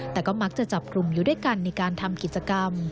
แต่ก็มักจะจับกลุ่มอยู่ด้วยกันในการทำกิจกรรม